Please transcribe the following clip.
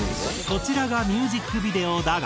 こちらがミュージックビデオだが。